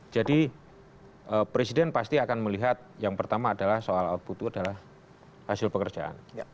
jadi presiden pasti akan melihat yang pertama adalah soal output itu adalah hasil pekerjaan